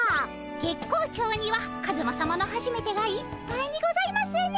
月光町にはカズマさまのはじめてがいっぱいにございますね。